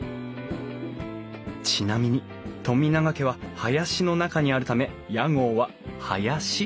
ちなみに富永家は林の中にあるため屋号は「林」といいます